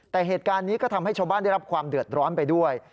แต่เหตุการณ์นี้ก็ทำให้ชาวบ้านได้รับความเดือดร้อนไปด้วย